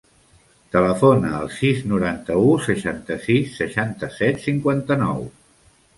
Telefona al sis, noranta-u, seixanta-sis, seixanta-set, cinquanta-nou.